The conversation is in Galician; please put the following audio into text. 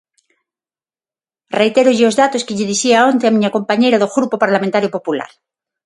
Reitérolle os datos que lle dicía onte a miña compañeira do Grupo Parlamentario Popular.